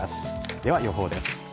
では、予報です。